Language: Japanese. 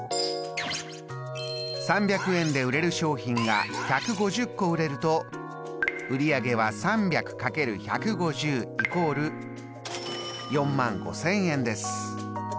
３００円で売れる商品が１５０個売れると売り上げは３００×１５０＝４万５，０００円です。